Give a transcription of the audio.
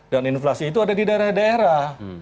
dan inflasi itu ada di daerah daerah